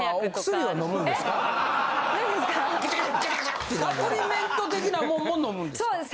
サプリメント的なもんも飲むんですか？